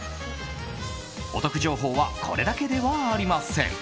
お得情報はこれだけではありません。